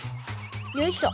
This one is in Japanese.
よいしょ。